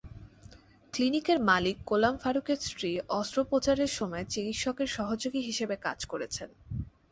ক্লিনিকের মালিক গোলাম ফারুকের স্ত্রী অস্ত্রোপচারের সময় চিকিৎসকের সহযোগী হিসেবে কাজ করছেন।